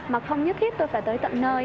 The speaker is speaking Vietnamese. mà không nhất thiết tôi phải tới tận nơi